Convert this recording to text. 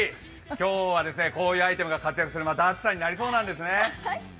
今日はこういうアイテムが活躍する暑さになりそうなんですね。